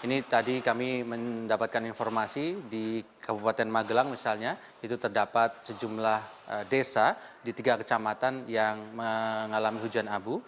ini tadi kami mendapatkan informasi di kabupaten magelang misalnya itu terdapat sejumlah desa di tiga kecamatan yang mengalami hujan abu